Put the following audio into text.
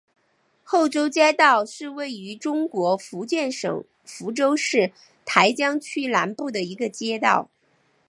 后洲街道是位于中国福建省福州市台江区南部的一个街道。